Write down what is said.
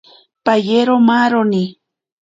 Payero maaroni.